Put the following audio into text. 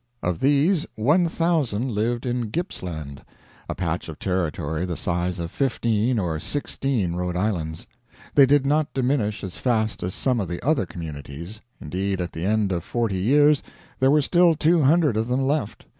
Of these, 1,000 lived in Gippsland, a patch of territory the size of fifteen or sixteen Rhode Islands: they did not diminish as fast as some of the other communities; indeed, at the end of forty years there were still 200 of them left.